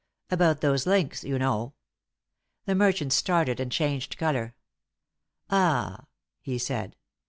"About those links, you know " The merchant started and changed colour. "Ah!" he said.